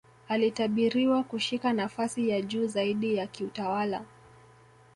alitabiriwa kushika nafasi ya juu zaidi ya kiutawala